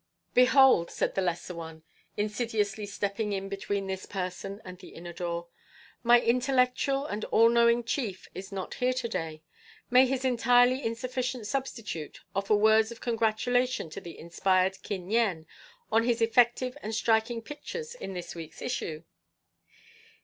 "Behold," said the lesser one, insidiously stepping in between this person an the inner door, "my intellectual and all knowing chief is not here to day. May his entirely insufficient substitute offer words of congratulation to the inspired Kin Yen on his effective and striking pictures in this week's issue?"